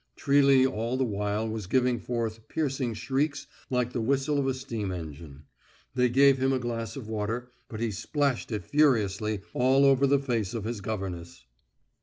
Trilly all the while was giving forth piercing shrieks like the whistle of a steam engine. They gave him a glass of water, but he splashed it furiously all over the face of his governess.